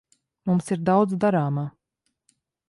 Mums ir daudz darāmā.